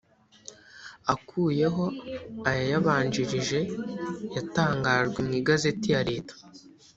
akuyeho ayayabanjirije yatangajwe mu igazeti ya leta